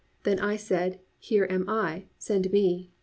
Then I said, here am I; send me.